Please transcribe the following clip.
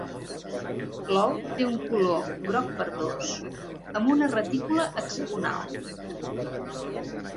L'ou té un color groc verdós, amb una retícula hexagonal.